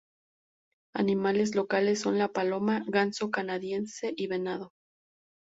Animales locales son la paloma, ganso canadiense y venado.